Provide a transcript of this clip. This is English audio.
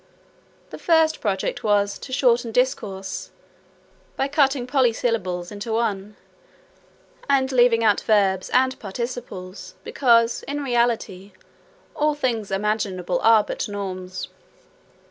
The first project was, to shorten discourse, by cutting polysyllables into one, and leaving out verbs and participles, because, in reality, all things imaginable are but norms.